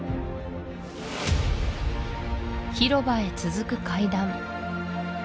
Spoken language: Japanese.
広場へ続く階段